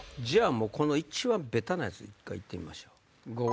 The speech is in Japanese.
じゃあこの一番ベタなやつ１回行ってみましょう。